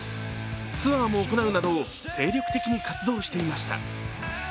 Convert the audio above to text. ツアーも行うなど、精力的に活動していました。